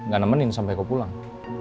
gak nemenin sampai kau pulang